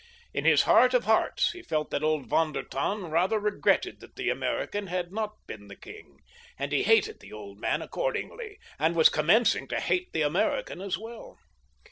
In his heart of hearts he felt that old Von der Tann rather regretted that the American had not been the king, and he hated the old man accordingly, and was commencing to hate the American as well.